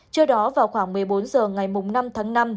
trước đó vào khoảng một mươi bốn h ngày năm tháng năm